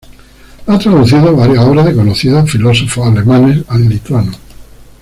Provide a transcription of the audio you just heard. Ha traducido varias obras de conocidos filósofos alemanes al lituano.